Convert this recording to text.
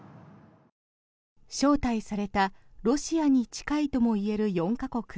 招待されたロシアに近いとも言える４か国。